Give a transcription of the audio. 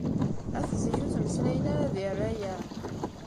At zik ur ttmeslayen ara di rraya.